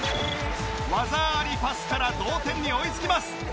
技ありパスから同点に追いつきます